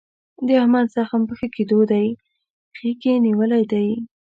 د احمد زخم په ښه کېدو دی. خیګ یې نیولی دی.